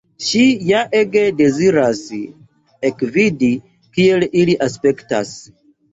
Ŝi ja ege deziras ekvidi, kiel ili aspektas.